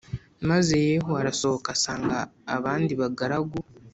maze yehu arasohoka asanga abandi bagaragu